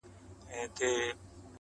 چي يې درې مياشتي د قدرت پر تخت تېرېږي!.